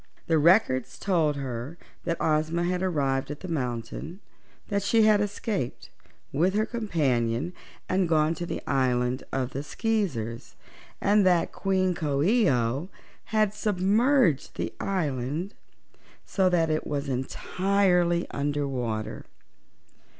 The Records told her that Ozma had arrived at the mountain, that she had escaped, with her companion, and gone to the island of the Skeezers, and that Queen Coo ee oh had submerged the island so that it was entirely under water.